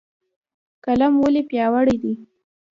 قلم ولې پیاوړی دی؟